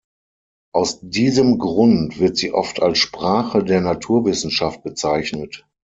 Aus diesem Grund wird sie oft als "Sprache" der Naturwissenschaft bezeichnet.